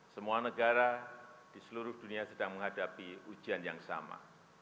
semua negara di seluruh dunia sedang menghadapi ujian yang sama